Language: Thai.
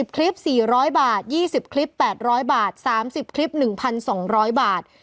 คลิป๔๐๐บาท๒๐คลิป๘๐๐บาท๓๐คลิป๑๒๐๐บาท